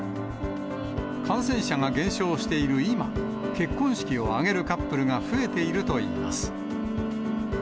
感染者が減少している今、結婚式を挙げるカップルが増えているといいます。